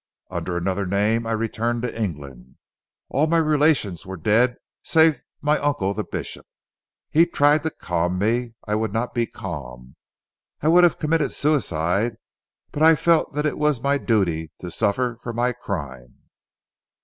Under another name I returned to England. All my relations were dead save my uncle the Bishop. He tried to calm me. I would not be calm. I would have committed suicide but that I felt that it was my duty to suffer for my crime."